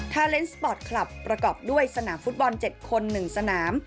ทาเลนสปอร์ตคลับประกอบด้วยสนามฟุตบอลเจ็ดคนหนึ่งสนาม